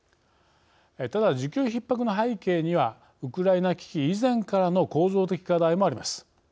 ただ、需給ひっ迫の背景にはウクライナ危機以前からの構造的課題もあります。